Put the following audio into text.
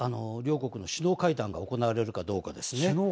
両国の首脳会談が行われるかどうかですね。